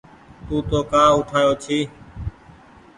تو تونٚ ڪآ اُٺآيو ڇي